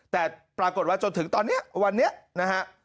แต่ปรากฏว่าจนถึงตอนนี้วันนี้นะฮะ